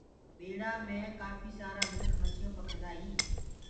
ٻيڙآ مي ڪآڦيٚ سآرا ميِنک مڇيون پڪڙدآ هِينٚ